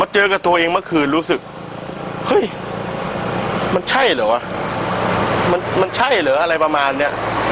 เจอกับตัวเองเมื่อคืนรู้สึกเฮ้ยมันใช่เหรอวะมันมันใช่เหรออะไรประมาณเนี้ย